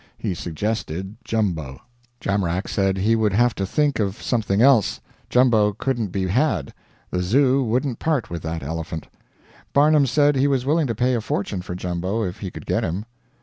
He suggested Jumbo. Jamrach said he would have to think of something else Jumbo couldn't be had; the Zoo wouldn't part with that elephant. Barnum said he was willing to pay a fortune for Jumbo if he could get him.